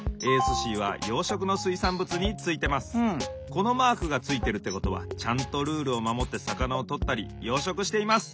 このマークがついているってことはちゃんとルールをまもってさかなをとったり養殖しています！